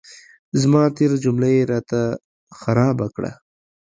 زما تېره جمله یې را ته خرابه کړه.